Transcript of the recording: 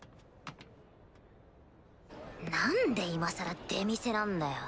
なんで今更出店なんだよ。